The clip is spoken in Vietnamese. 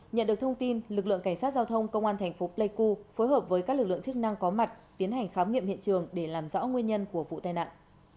nhận được thông tin lực lượng cảnh sát giao thông công an thành phố pleiku phối hợp với các lực lượng chức năng có mặt tiến hành khám nghiệm hiện trường để làm rõ nguyên nhân của vụ tai nạn